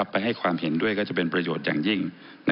ไปให้ความเห็นด้วยก็จะเป็นประโยชน์อย่างยิ่ง